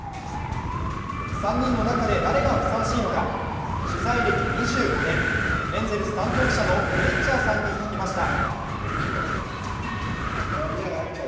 ３人の中で誰がふさわしいのか取材歴２５年、エンゼルス担当記者のフレッチャーさんに聞きました。